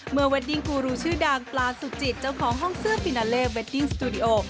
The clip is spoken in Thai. เวดดิ้งกูรูชื่อดังปลาสุจิตเจ้าของห้องเสื้อปินาเลเวดดิ้งสตูดิโอ